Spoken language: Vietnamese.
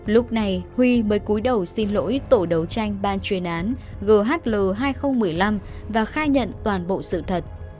lúc này huy mới cuối đầu xin lỗi tổ đấu tranh ban chuyên án ghl hai nghìn một mươi năm và khai nhận toàn bộ sự thật